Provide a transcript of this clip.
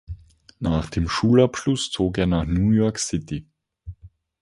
Nach dem Schulabschluss zog er nach New York City.